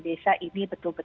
terima kasih pak menteri